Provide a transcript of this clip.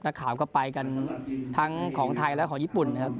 นักข่าวก็ไปกันทั้งของไทยและของญี่ปุ่นนะครับ